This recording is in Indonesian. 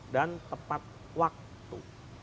dan tepat waktu